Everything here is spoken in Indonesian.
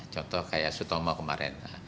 contoh kayak sutoma kemarin